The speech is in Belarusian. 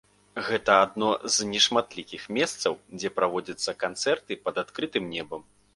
Гэта адно з нешматлікіх месцаў, дзе праводзяцца канцэрты пад адкрытым небам.